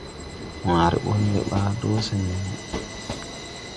Waare ɓɔn mbe ɓaa do sen ne no.